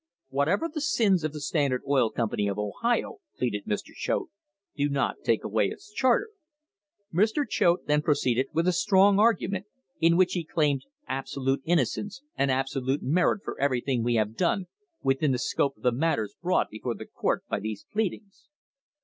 Whatever the sins of the Standard Oil Company of Ohio, pleaded Mr. Choate, do not take away its charter. Mr. Choate then proceeded with a strong argument in which he claimed "absolute innocence and absolute merit for everything we have done within the scope of the matters brought before the court by these pleadings."